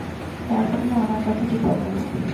তার পরে আমার কথাটি ফুরালো।